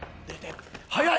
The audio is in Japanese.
速い！